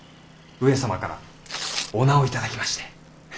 上様からお名を頂きまして。